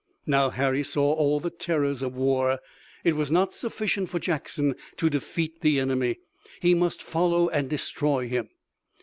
Now Harry saw all the terrors of war. It was not sufficient for Jackson to defeat the enemy. He must follow and destroy him.